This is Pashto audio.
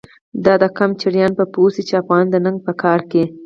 دادقم چړیان به پوه شی، چی افغان د ننګ په کار کی